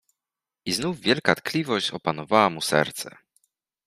I znów wielka tkliwość opanowała mu serce.